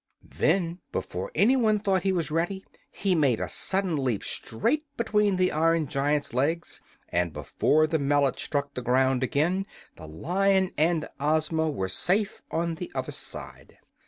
Then, before anyone thought he was ready, he made a sudden leap straight between the iron giant's legs, and before the mallet struck the ground again the Lion and Ozma were safe on the other side.